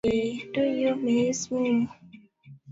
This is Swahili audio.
uchumi wa Buluu haukamiliki bila ya kuwepo kwa Bandari za kisasa